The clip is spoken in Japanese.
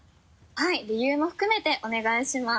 はい理由も含めてお願いします。